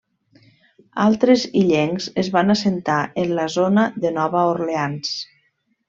Altres illencs es van assentar en la zona de Nova Orleans.